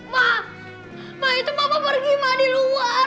ma ma itu papa pergi ma di luar